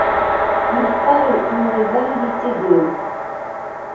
Ils parlent une variété d'.